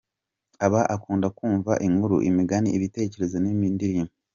Aba akunda kumva inkuru, imigani, ibitekerezo n’indirimbo.